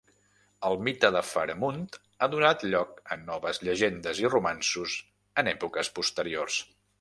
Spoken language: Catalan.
El mite de Faramund ha donat lloc a noves llegendes i romanços en èpoques posteriors.